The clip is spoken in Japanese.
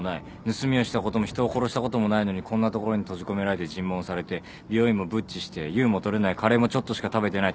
盗みをしたことも人を殺したこともないのにこんな所に閉じ込められて尋問されて美容院もぶっちして優も取れないカレーもちょっとしか食べてない